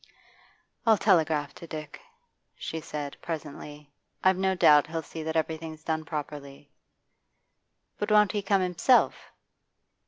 'I'll telegraph to Dick,' she said, presently. 'I've no doubt he'll see that everything's done properly.' 'But won't he come himself?